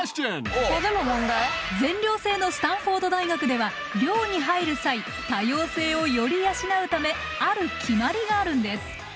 全寮制のスタンフォード大学では寮に入る際多様性をより養うためある決まりがあるんです。